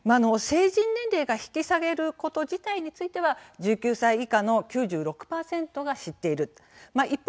成人年齢が引き下げられること自体については１９歳以下の９６％が知っている。